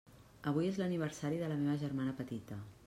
Avui és l'aniversari de la meva germana petita.